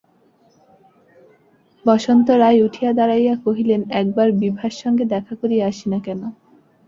বসন্ত রায় উঠিয়া দাঁড়াইয়া কহিলেন, একবার বিভার সঙ্গে দেখা করিয়া আসি না কেন?